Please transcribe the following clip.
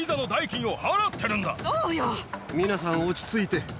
皆さん、落ち着いて。